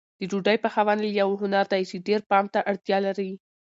د ډوډۍ پخول یو هنر دی چې ډېر پام ته اړتیا لري.